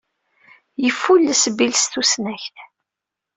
Yeffulles Bil s tusnakt.